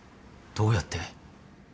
どうやって？